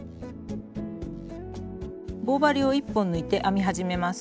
棒針を１本抜いて編み始めます。